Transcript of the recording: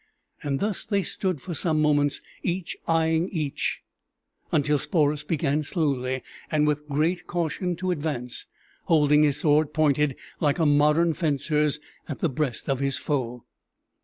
Thus they stood for some moments, each eying each, until Sporus began slowly and with great caution to advance, holding his sword pointed, like a modern fencer's, at the breast of his foe.